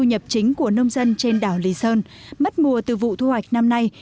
thu nhập chính của nông dân trên đảo lý sơn mất mùa từ vụ thu hoạch năm nay